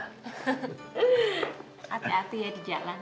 hati hati ya di jalan